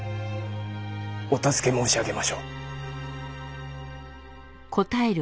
おたすけもうし上げましょう」。